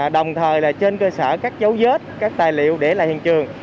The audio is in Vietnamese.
đồng thời là trên cơ sở các dấu vết các tài liệu để lại hiện trường